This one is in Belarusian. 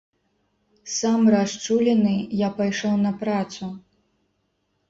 Сам расчулены я пайшоў на працу.